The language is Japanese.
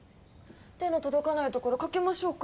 手の届かない所かきましょうか？